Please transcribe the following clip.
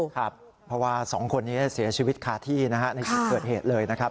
ครับเพราะว่า๒คนนี้เสียชีวิตคาที่นะฮะในจุดเกิดเหตุเลยนะครับ